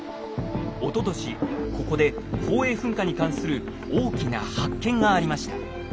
おととしここで宝永噴火に関する大きな発見がありました。